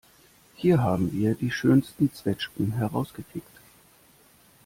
Hier haben wir die schönsten Zwetschgen herausgepickt.